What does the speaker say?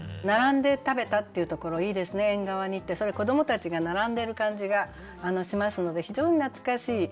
「並んで食べた」っていうところいいですね「縁側に」って子どもたちが並んでる感じがしますので非常に懐かしい。